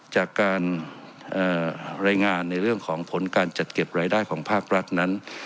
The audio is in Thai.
จากการรายงานในเรื่องของผลการจัดเก็บรายได้ของภาครัฐนั้น